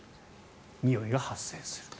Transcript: においが発生すると。